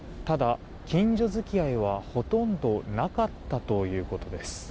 ただ、近所付き合いはほとんどなかったということです。